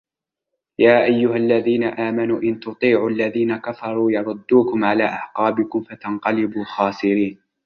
يا أيها الذين آمنوا إن تطيعوا الذين كفروا يردوكم على أعقابكم فتنقلبوا خاسرين